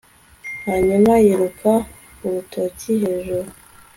hanyuma yiruka urutoki hejuru